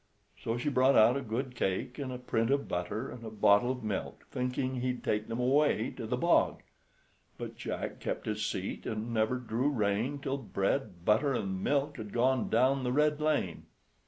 So she brought out a good cake, and a print of butter, and a bottle of milk, thinking he'd take them away to the bog. But Jack kept his seat, and never drew rein till bread, butter, and milk had gone down the red lane.